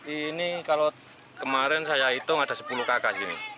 ini kalau kemarin saya hitung ada sepuluh kakas ini